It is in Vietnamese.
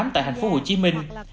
tại thành phố hồ chí minh